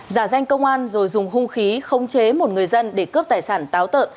giả danh công an rồi dùng hung khí không chế một người dân để cướp tài sản táo tợ